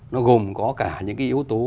nó gồm có cả những cái yếu tố